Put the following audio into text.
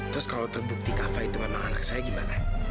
terus kalau terbukti kafa itu memang anak saya gimana